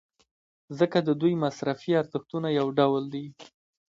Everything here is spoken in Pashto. ځکه د دوی مصرفي ارزښتونه یو ډول دي.